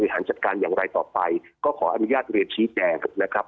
หันจัดการอย่างไรต่อไปก็ขออนุญาตเรียนชี้แจงนะครับ